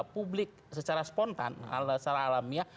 publik secara spontan secara alamiah